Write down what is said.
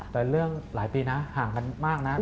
แต่เรื่องหลายปีนะห่างกันมากนะ